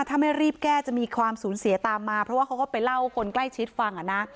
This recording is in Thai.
ถ้าไม่รีบแก้จะมีความสูญเสียตามมาเพราะว่าเขาก็ไปเล่าให้คนใกล้ชิดฟังอ่ะนะ